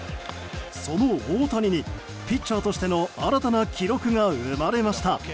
その大谷にピッチャーとしての新たな記録が生まれました。